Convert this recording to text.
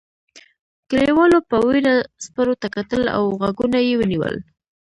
کليوالو په وېره سپرو ته کتل او غوږونه یې ونیول.